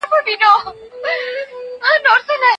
هغه پر وخت مشوره اخلي.